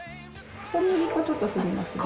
小麦粉ちょっと振りますね。